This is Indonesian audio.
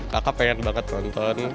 kakak pengen banget nonton